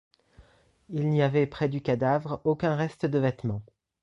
Il n’y avait près du cadavre aucun reste de vêtement.